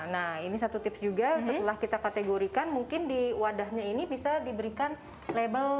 nah ini satu tips juga setelah kita kategorikan mungkin di wadahnya ini bisa diberikan label